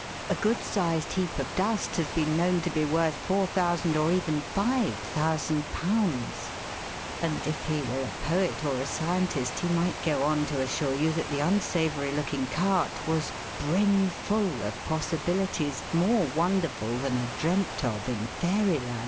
A good sized heap of dust has been known to be worth ^4,000 or even ^"5,000." And if he were a poet or a scientist, he might go on to assure you that the unsavoury looking cart was "brimful of possibilities, more wonderful than are dreamt of in fairy land."